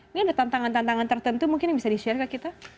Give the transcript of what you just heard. ini ada tantangan tantangan tertentu mungkin yang bisa di share ke kita